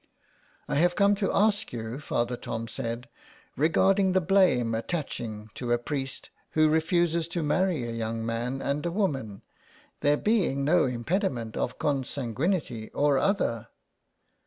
" I have come to ask you," Father Tom said, "regarding the blame attaching to a priest who refuses to marry a young man and a young woman, there being no impediment of consanguinity or other."